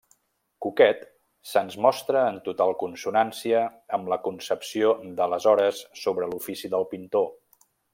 Cuquet se’ns mostra en total consonància amb la concepció d'aleshores sobre l’ofici del pintor.